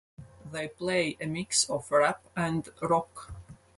They play a mix of rap and rock.